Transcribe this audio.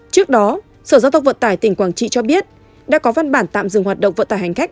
trước đó sở giao thông vận tải tỉnh quảng trị cho biết đã có văn bản tạm dừng hoạt động vận tải hành khách